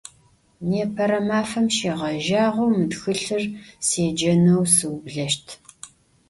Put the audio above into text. Nêpere mafem şêğejağeu mı txılhır sêceneu sıubleşt.